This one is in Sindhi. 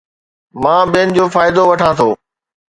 مان ٻين جو فائدو وٺان ٿو